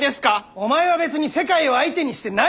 お前は別に世界を相手にしてないだろう！？